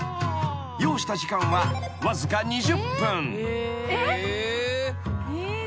［要した時間はわずか２０分］えっ！？